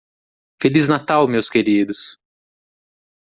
Feliz Natal meus queridos.